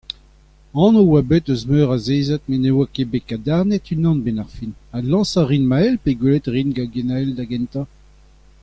Anv a oa bet eus meur a zeiziad met ne oa ket bet kadarnaet unan a-benn ar fin, adlañsañ a rin Mael pe gwelet a rin gant Gwennael da gentañ ?